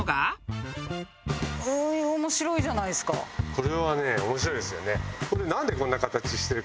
これはね面白いですよね。